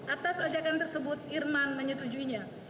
atas ajakan tersebut irman menyetujuinya